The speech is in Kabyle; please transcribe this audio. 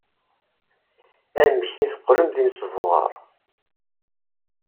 Amek ay teqqlem d inesbuɣar?